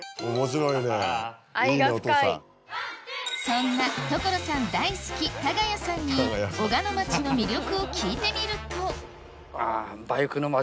そんな所さん大好き多賀谷さんに小鹿野町の魅力を聞いてみるとバイクの町？